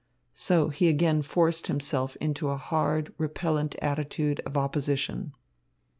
So he again forced himself into a hard, repellent attitude of opposition.